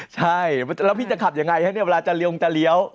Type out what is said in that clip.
แล้วพี่จะขับอย่างไรเท่านี้เวลาจะเรียว